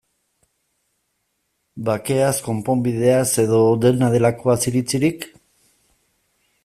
Bakeaz, konponbideaz, edo dena delakoaz iritzirik?